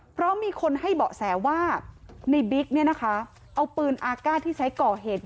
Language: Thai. เพราะมีคนให้เบาะแสว่าในบิ๊กเนี่ยนะคะเอาปืนอากาศที่ใช้ก่อเหตุ